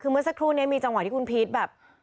คือเมื่อสักครู่นี้มีจังหวะที่คุณพีชแบบ